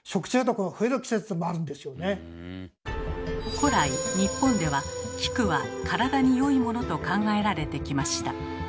古来日本では菊は体によいものと考えられてきました。